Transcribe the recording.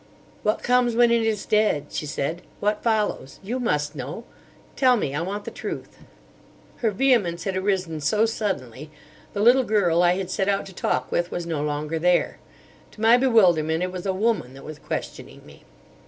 "What comes when it is dead?" she said. "What follows? You must know. Tell me. I want the truth." Her vehemence had arisen so suddenly. The little girl I had set out to talk with was no longer there. To my bewilderment, it was a woman that was questioning me.